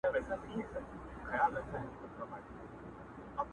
زه په مین سړي پوهېږم!.